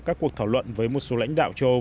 các cuộc thảo luận với một số lãnh đạo châu âu